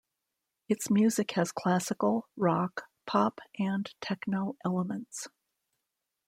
Its music has classical, rock, pop, and techno elements.